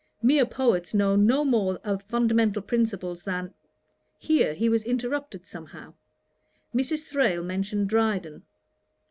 Mere poets know no more of fundamental principles than .' Here he was interrupted somehow. Mrs. Thrale mentioned Dryden.